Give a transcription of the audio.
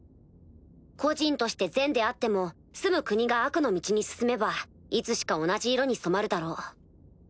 個人として善であっても住む国が悪の道に進めばいつしか同じ色に染まるだろう。